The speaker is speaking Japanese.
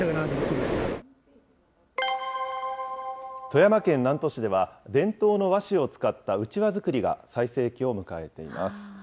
富山県南砺市では伝統の和紙を使ったうちわ作りが、最盛期を迎えています。